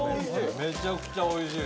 めちゃくちゃおいしい。